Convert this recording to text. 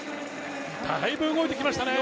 だいぶ動いてきましたね。